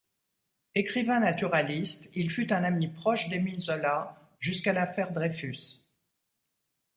Écrivain naturaliste, il fut un ami proche d'Émile Zola jusqu'à l'affaire Dreyfus.